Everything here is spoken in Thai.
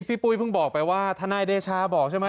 ปุ้ยเพิ่งบอกไปว่าทนายเดชาบอกใช่ไหม